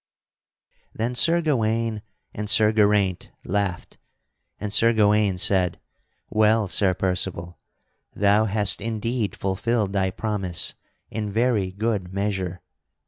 Then Sir Gawaine and Sir Geraint laughed, and Sir Gawaine said: "Well, Sir Percival, thou hast indeed fulfilled thy promise in very good measure.